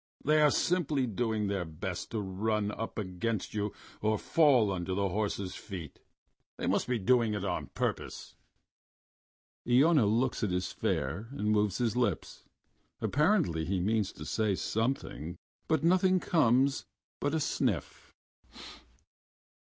"They are simply doing their best to run up against you or fall under the horse's feet. They must be doing it on purpose." Iona looks as his fare and moves his lips.... Apparently he means to say something, but nothing comes but a sniff.